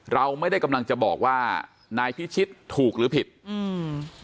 เราไม่ได้กำลังจะบอกว่านายพิชิตถูกหรือผิดอืม